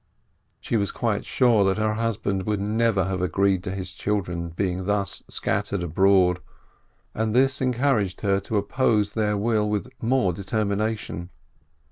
She was quite sure that her husband would never have agreed to his children's being thus scattered abroad, and this encouraged her to oppose their will with more determination.